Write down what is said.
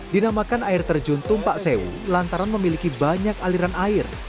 dinamakan air terjun tumpak sewu lantaran memiliki banyak aliran air